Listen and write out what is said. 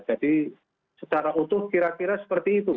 jadi secara utuh kira kira seperti itu